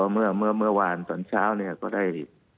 เมื่อวานตอนเช้าเนี่ยก็ได้